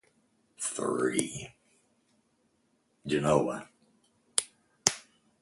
The village is within the Town of Genoa.